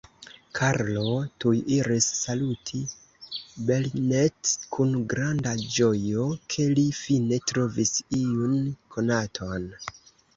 Karlo tuj iris saluti Belnett kun granda ĝojo, ke li fine trovis iun konaton.